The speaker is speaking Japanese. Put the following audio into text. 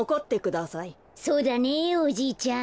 そうだねおじいちゃん。